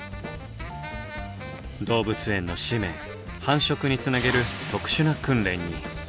動物園の使命繁殖につなげる特殊な訓練に。